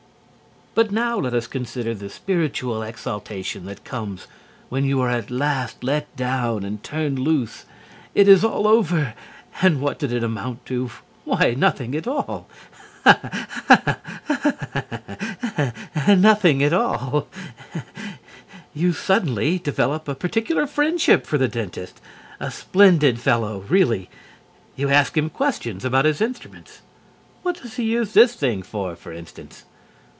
But now let us consider the spiritual exaltation that comes when you are at last let down and turned loose. It is all over, and what did it amount to? Why, nothing at all. A ha ha ha ha ha! Nothing at all. You suddenly develop a particular friendship for the dentist. A splendid fellow, really. You ask him questions about his instruments. What does he use this thing for, for instance?